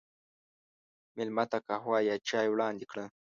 مېلمه ته قهوه یا چای وړاندې کړه.